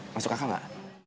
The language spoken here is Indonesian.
masuk akal gak